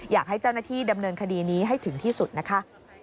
อยากให้เจ้าหน้าที่ดำเนินคดีนี้ให้ถึงที่สุดนะคะ